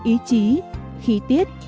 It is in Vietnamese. ý chí khí tiết